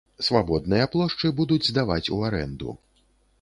Свабодныя плошчы будуць здаваць ў арэнду.